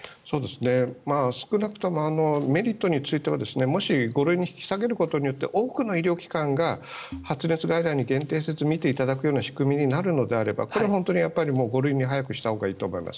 少なくともメリットについてはもし５類に引き下げることによって多くの医療機関が発熱外来に限定せず診ていただくような仕組みになるのであればこれ、本当に５類に早くしたほうがいいと思います。